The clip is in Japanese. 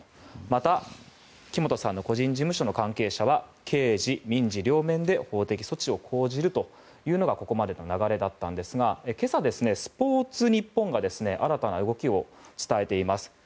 また、木本さんの個人事務所の関係者は刑事・民事両面で法的措置を講じるというのがここまでの流れだったんですが今朝、スポーツニッポンが新たな動きを伝えています。